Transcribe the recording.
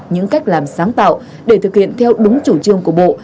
những cách làm sáng tạo để thực hiện theo đúng chủ trương của bộ